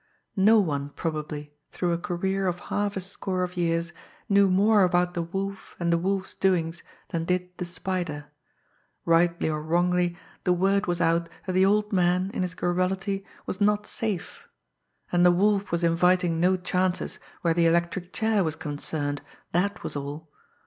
No one probably, through a career of half a score of years, knew more about the Wolf and the Wolf's doings than did the Spider. Rightly or wrongly, the word was out that the old man, in his garrulity, was not safe and the Wolf was inviting no chances where the electric chair was concerned, that was all!